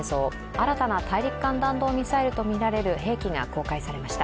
新たな大陸間弾道ミサイルとみられる兵器が公開されました。